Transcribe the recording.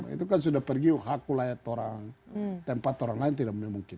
itu kan sudah pergi hakulah itu orang tempat itu orang lain tidak mungkin